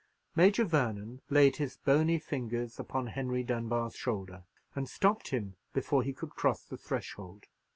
Major Vernon laid his bony fingers upon Henry Dunbar's shoulder, and stopped him before he could cross the threshold.